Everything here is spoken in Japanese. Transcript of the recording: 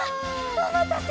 おまたせ。